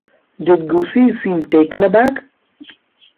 Did Gussie seem taken aback?